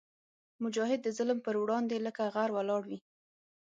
مجاهد د ظلم پر وړاندې لکه غر ولاړ وي.